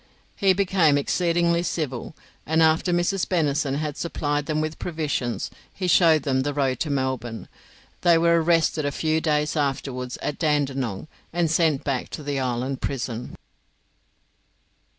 He became exceedingly civil, and after Mrs. Bennison had supplied them with provisions he showed them the road to Melbourne. They were arrested a few days afterwards at Dandenong and sent back to the island prison.